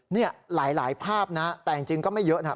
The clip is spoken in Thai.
นี่หลายภาพนะแต่จริงก็ไม่เยอะนะ